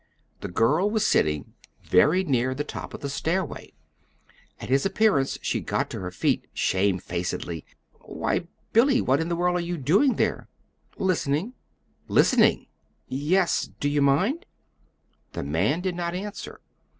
The girl was sitting very near the top of the stairway. At his appearance she got to her feet shamefacedly. "Why, Billy, what in the world are you doing there?" "Listening." "Listening!" "Yes. Do you mind?" The man did not answer.